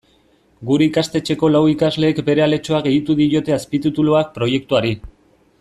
Gure ikastetxeko lau ikasleek bere aletxoa gehitu diote azpitituluak proiektuari.